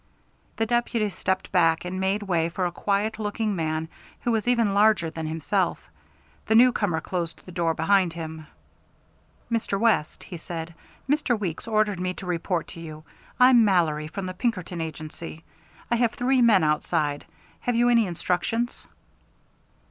The deputy stepped back and made way for a quiet looking man who was even larger than himself. The newcomer closed the door behind him. "Mr. West," he said, "Mr. Weeks ordered me to report to you. I'm Mallory, from the Pinkerton agency. I have three men outside. Have you any instructions?"